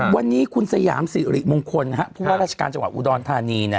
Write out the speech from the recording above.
วันนี้คุณสยามสิริมงคลผู้ว่าราชการจังหวัดอุดรธานี